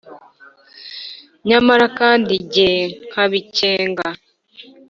nyamara kandi jye nkabikenga